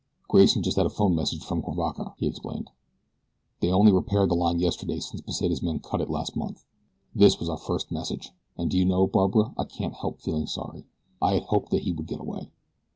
"Grayson just had a phone message from Cuivaca," he explained. "They only repaired the line yesterday since Pesita's men cut it last month. This was our first message. And do you know, Barbara, I can't help feeling sorry. I had hoped that he would get away."